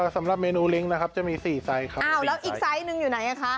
สำหรับเมนูลิ้งนะครับจะมีสี่ไซส์ครับอ้าวแล้วอีกไซส์หนึ่งอยู่ไหนอ่ะคะ